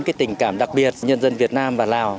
cái tình cảm đặc biệt nhân dân việt nam và lào